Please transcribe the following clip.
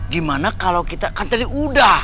gimana kalau kita kan tadi udah